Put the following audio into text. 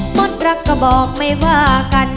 หมดรักก็บอกไม่ว่ากัน